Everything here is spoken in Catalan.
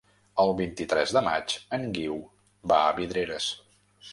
El vint-i-tres de maig en Guiu va a Vidreres.